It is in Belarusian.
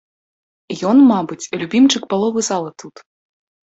Ён, мабыць, любімчык паловы зала тут!